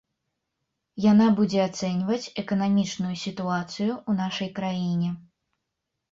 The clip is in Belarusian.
Яна будзе ацэньваць эканамічную сітуацыю ў нашай краіне.